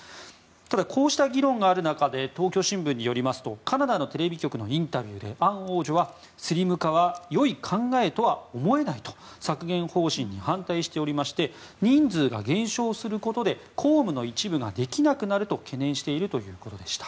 ただ、こうした議論がある中で東京新聞によりますとカナダのテレビ局のインタビューでアン王女はスリム化は良い考えとは思えないと削減方針に反対していて人数が減少することで公務の一部ができなくなると懸念しているということでした。